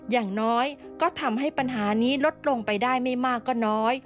อย่างน้อยก็ทำให้ปัญหานี้ลดลงไปได้ไม่มากก็น้อย